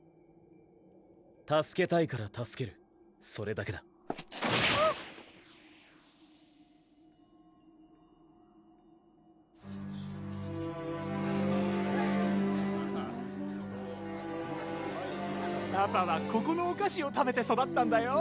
助けたいから助けるそれだけだパパはここのお菓子を食べて育ったんだよ